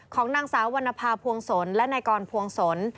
ของนางสาววรรณภาพวงศลและนายกรพวงศล